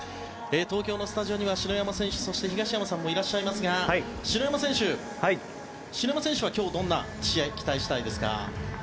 東京のスタジオには篠山選手、東山さんもいらっしゃいますが篠山選手は今日、どんな試合を期待したいですか？